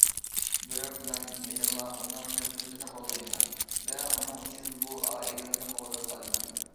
بىراق مەن يەنىلا ئۇنىڭ خىزمىتىنى قوللايمەن ۋە ئۇنىڭ ئۈچۈن بۇ ئائىلىنى قوغداپ قالىمەن.